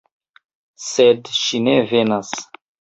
Sed ŝi ne venas.